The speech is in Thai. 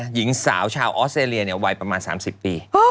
หญิงสาวชาวออสเตรเลียวัยประมาณ๓๐ปี